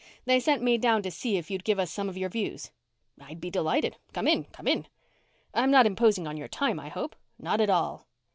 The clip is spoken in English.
They sent me down to see if you'd give us some of your views." "I'd be delighted. Come in. Come in." "I'm not imposing on your time, I hope." "Not at all!"